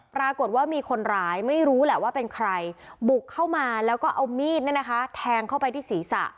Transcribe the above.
ปรากฏว่ามีคนร้ายไม่รู้แหละว่าเป็นใครบุกเข้ามาแล้วก็เอามีดแทงเข้าไปที่ศีรษะ